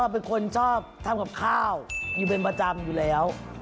เป็นคนชอบทำกับข้าวอยู่เป็นประจำอยู่แล้ว